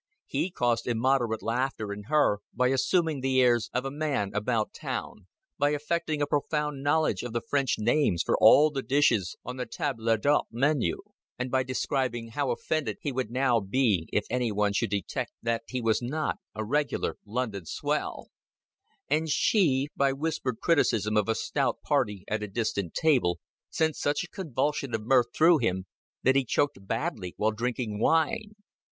He caused immoderate laughter in her by assuming the airs of a man about town, by affecting a profound knowledge of the French names for all the dishes on the table d'hote menu, and by describing how offended he would now be if any one should detect that he was not a regular London swell; and she, by whispered criticism of a stout party at a distant table, sent such a convulsion of mirth through him that he choked badly while drinking wine.